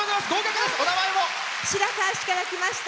白河市から来ました。